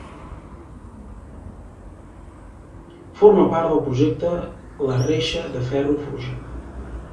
Forma part del projecte la reixa de ferro forjat.